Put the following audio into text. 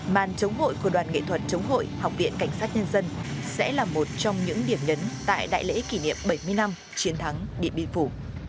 màn chống hội của đoàn nghệ thuật chống hội học viện cảnh sát nhân dân sẽ là một trong những điểm nhấn tại đại lễ kỷ niệm bảy mươi năm chiến thắng điện biên phủ